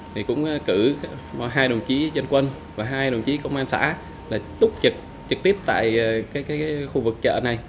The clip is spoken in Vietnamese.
thì cũng cử hai đồng chí dân quân và hai đồng chí công an xã là túc trực trực tiếp tại khu vực chợ này